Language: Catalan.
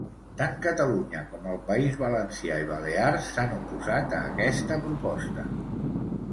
Tant Catalunya com el País Valencià i Balears s'han oposat a aquesta proposta.